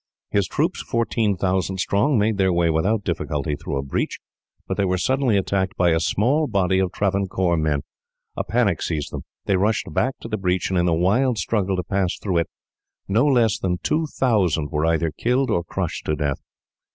His troops, fourteen thousand strong, made their way without difficulty through a breach, but they were suddenly attacked by a small body of Travancore men. A panic seized them. They rushed back to the breach, and in the wild struggle to pass through it, no less than two thousand were either killed or crushed to death.